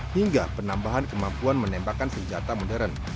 hingga penambahan kemampuan menembakkan senjata modern